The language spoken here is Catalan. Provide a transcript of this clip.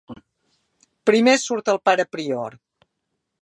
Primer surt el pare prior.